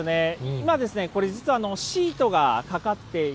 今、これ実はシートがかかってい